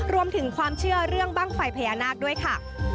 รวมถึงความเชื่อเรื่องบ้างไฟพญานาคด้วยค่ะ